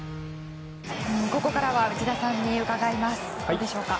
ここからは内田さんに伺います。